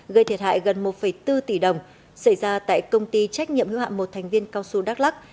gây thiệt hại gần một bốn tỷ đồng xảy ra tại công ty trách nhiệm hưu hạm một thành viên cao su đắk lắc